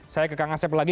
saya ke kak ngasep lagi